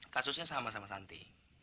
kasusnya sama sama santi